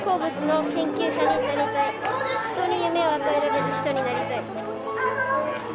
人に夢を与えられる人になりたい。